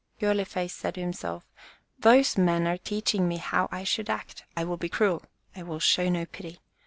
Girly face said to himself, "Those men are teach ing me how I should act. I will be cruel. I will show no pity.